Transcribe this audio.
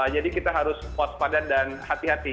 jadi kita harus waspada dan hati hati